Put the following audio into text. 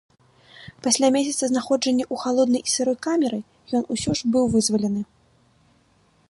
Пасля месяца знаходжання ў халоднай і сырой камеры, ён усё ж быў вызвалены.